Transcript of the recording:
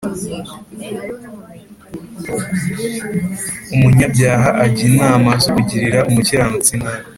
Umunyabyaha ajya inama zo kugirira umukiranutsi nabi